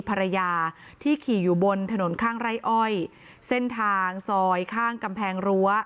ภรรยาที่ขี่อยู่บนถนนข้างไร่อ้อยเส้นทางซอยข้างกำแพงรั้ว